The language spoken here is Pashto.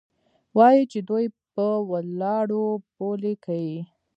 وايي چې دوى په ولاړو بولې کيې.